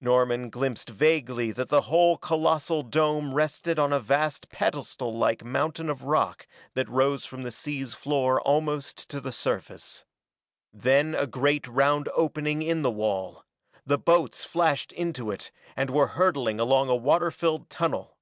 Norman glimpsed vaguely that the whole colossal dome rested on a vast pedestal like mountain of rock that rose from the sea's floor almost to the surface. Then a great round opening in the wall; the boats flashed into it and were hurtling along a water filled tunnel.